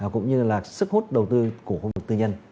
cũng như là sức hút đầu tư của công việc tư nhân